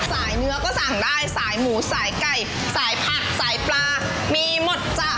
เนื้อก็สั่งได้สายหมูสายไก่สายผักสายปลามีหมดจ้ะ